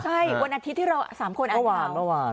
ใช่วันอาทิตย์ที่เรา๓คนเมื่อวาน